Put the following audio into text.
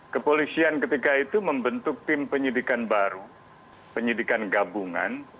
kepolisian ketika itu membentuk tim penyidikan baru penyidikan gabungan